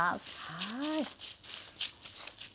はい。